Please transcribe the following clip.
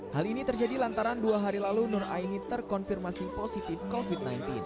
hal ini terjadi lantaran dua hari lalu nur aini terkonfirmasi positif covid sembilan belas